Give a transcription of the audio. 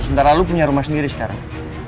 sementara lo punya rumah sendiri sekarang